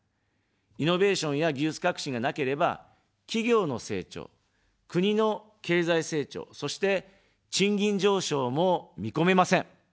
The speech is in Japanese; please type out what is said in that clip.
イノベーションや技術革新がなければ、企業の成長、国の経済成長、そして、賃金上昇も見込めません。